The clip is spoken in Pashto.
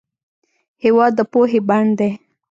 هېواد د پوهې بڼ دی.